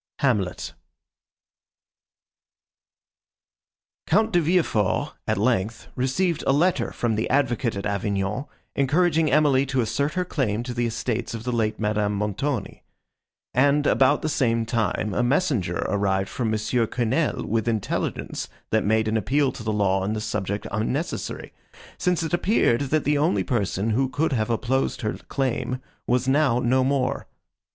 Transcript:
HAMLET Count de Villefort, at length, received a letter from the advocate at Avignon, encouraging Emily to assert her claim to the estates of the late Madame Montoni; and, about the same time, a messenger arrived from Monsieur Quesnel with intelligence, that made an appeal to the law on this subject unnecessary, since it appeared, that the only person, who could have opposed her claim, was now no more.